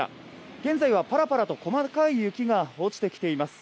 現在はパラパラと細かい雪が落ちてきています